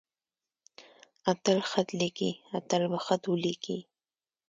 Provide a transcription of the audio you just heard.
اتل خط ليکي. اتل به خط وليکي.